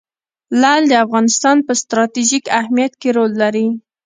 لعل د افغانستان په ستراتیژیک اهمیت کې رول لري.